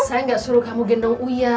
saya enggak suruh kamu gendong uya